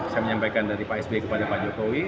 saya menyampaikan dari pak sby kepada pak jokowi